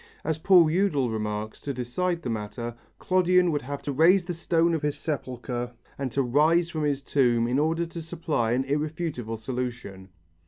As Paul Eudel remarks, to decide the matter, "Clodion would have to raise the stone of his sepulchre and to rise from his tomb in order to supply an irrefutable solution."